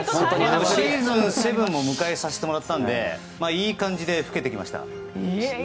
シーズン７も迎えさせてもらえたのでいい感じで老けてきました。